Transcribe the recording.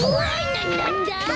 ななんだ？